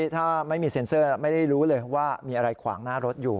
ถ้าไม่มีเซ็นเซอร์ไม่ได้รู้เลยว่ามีอะไรขวางหน้ารถอยู่